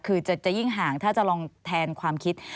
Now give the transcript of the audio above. คือจะยิ่งห่างถ้าจะลองแทนความคิด